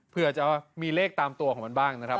เผื่อจะมีเลขตามตัวของมันบ้างนะครับ